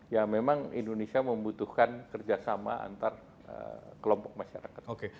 ya memang indonesia membutuhkan kerjasama antar kelompok masyarakat